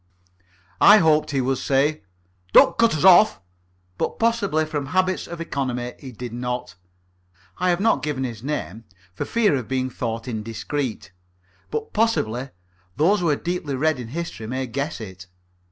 I hoped he would say, "Don't cut us off," but, possibly from habits of economy, he did not. I have not given his name, for fear of being thought indiscreet, but possibly those who are deeply read in history may guess it.